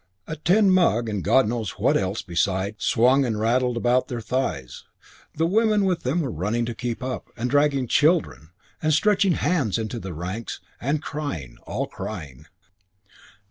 A tin mug and God knows what else beside swung and rattled about their thighs. The women with them were running to keep up, and dragging children, and stretching hands into the ranks, and crying all crying.